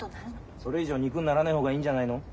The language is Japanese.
それ以上肉にならない方がいいんじゃないの？